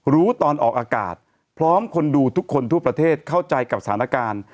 ตอนออกอากาศพร้อมคนดูทุกคนทั่วประเทศเข้าใจกับสถานการณ์